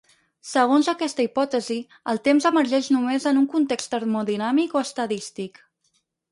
Segons aquesta hipòtesi, el temps emergeix només en un context termodinàmic o estadístic.